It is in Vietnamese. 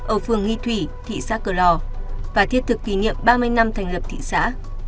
ở phường nghi thủy thị xã cửa lò và thiết thực kỷ niệm ba mươi năm thành lập thị xã